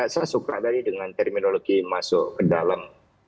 saya suka tadi dengan terminologi masuk ke dalam